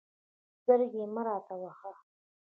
سترګې مه راته وهه.